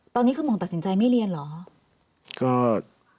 ตอนนี้คือหงตัดสินใจไม่เรียนเหรอ